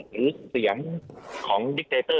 หรือเสียงของดิกเตอร์